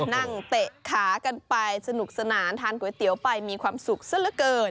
เตะขากันไปสนุกสนานทานก๋วยเตี๋ยวไปมีความสุขซะละเกิน